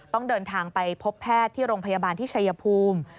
ต้องเดินทางไปพบแพทย์ที่โรงพยาบาลที่ชัยภูมิ